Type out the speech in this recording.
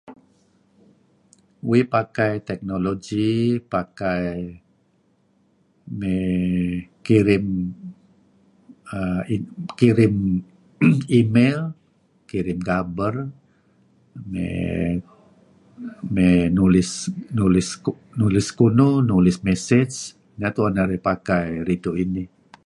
Uih pakai technology, pakai may kirim[aah] kirim email, kirim gabar may..nulis..nulis..nulis sekunuh, nulis massage nah tuan narih pakai rituh inih.